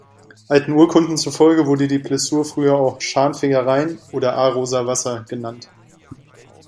Alten Urkunden zufolge wurde die Plessur früher auch "Schanfigger Rhein" oder "Aroser Wasser" genannt.